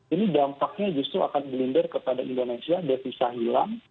ini dampaknya justru akan belinder kepada indonesia defisah hilang